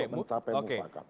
untuk mencapai mufakat